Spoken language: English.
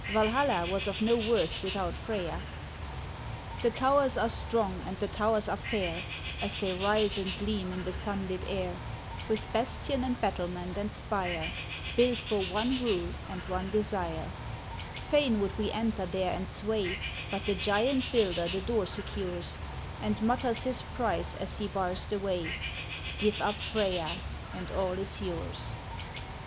Walhalla was of no worth with out Freya.] THE towers are strong and the towers are fair As they rise and gleam in the sunlit air, With bastion and battlement and spire Built for one rule and one desire ; Fain would we enter there and sway, But the giant builder the door secures, And mutters his price as he bars the way :" Give up Freya, and all is yours."